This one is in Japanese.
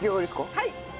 はい！